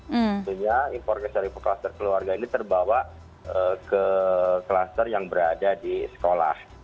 intinya impor kes dari kluster keluarga ini terbawa ke kluster yang berada di sekolah